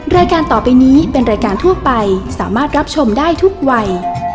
รายการต่อไปนี้เป็นรายการทั่วไปสามารถรับชมได้ทุกวัย